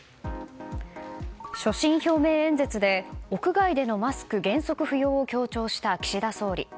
所信表明演説で屋外でのマスク原則不要を強調した岸田総理。